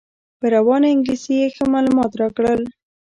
په روانه انګلیسي یې ښه معلومات راکړل.